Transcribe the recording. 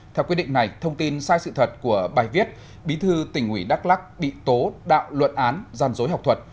theo quyết định này thông tin sai sự thật của bài viết bí thư tỉnh ủy đắk lắc bị tố đạo luận án gian dối học thuật